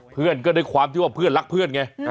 เพื่อนก็ด้วยความที่ว่าเพื่อนรักเพื่อนไง